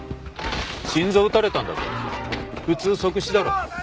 心臓撃たれたんだぜ普通即死だろ。